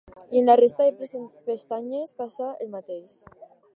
I en la resta de pestanyes passa el mateix.